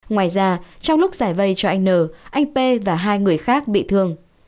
ngoài ra trong lúc giải vây cho anh n anh p và hai người khác bị thương